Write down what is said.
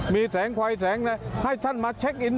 มีแสงขวายแสงให้ท่านมาเช็กอิน